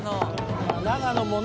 長野もね